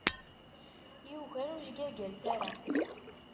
Yugar ujgagal, tara.